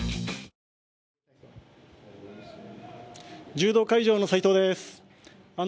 柔道会場の斎藤です。